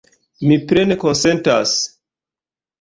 Mi plene konsentas!